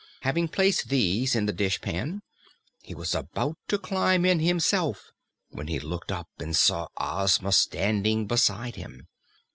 Having placed these in the dishpan, he was about to climb in himself when he looked up and saw Ozma standing beside him.